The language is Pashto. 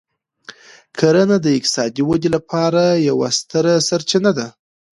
کرنه د اقتصادي ودې لپاره یوه ستره سرچینه ده.